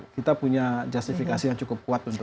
kita punya justifikasi yang cukup kuat